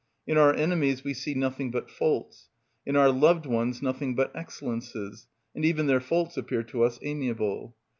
In our enemies we see nothing but faults—in our loved ones nothing but excellences, and even their faults appear to us amiable.